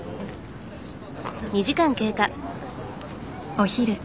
お昼。